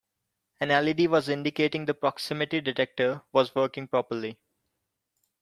An LED was indicating the proximity detector was working properly.